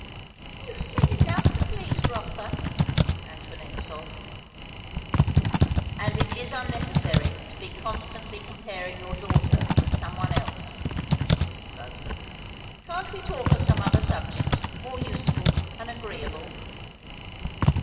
"You've said enough to please Rotha!" Antoinette sobbed. "And it is unnecessary to be constantly comparing your daughter with some one else," said Mrs. Busby. "Can't we talk of some other subject, more useful and agreeable?"